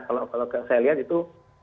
kalau saya lihat itu